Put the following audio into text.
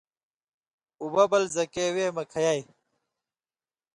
اُببل زکے وے ملی کھیائ